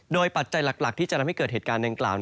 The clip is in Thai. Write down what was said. โดยปัจจัยหลักที่จะทำให้เกิดเหตุการณ์ดังกล่าว